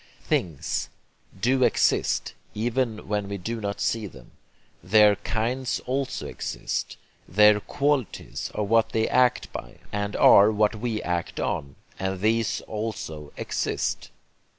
'Things' do exist, even when we do not see them. Their 'kinds' also exist. Their 'qualities' are what they act by, and are what we act on; and these also exist.